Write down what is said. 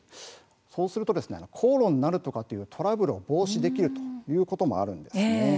そうすると口論になるなどのトラブルを防止できるということもあるんですね。